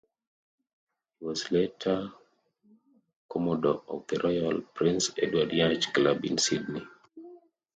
He was later commodore of the Royal Prince Edward Yacht Club in Sydney.